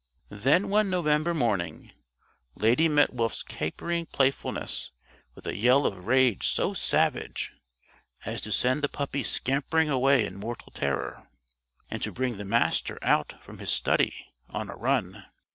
Then one November morning Lady met Wolf's capering playfulness with a yell of rage so savage as to send the puppy scampering away in mortal terror, and to bring the Master out from his study on a run.